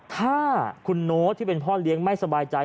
ถ้าคุณโน้ตที่เป็นพ่อเลี้ยงไม่สบายใจ